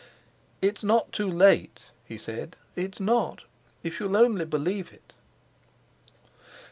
"It's not too late," he said; "it's not—if you'll only believe it."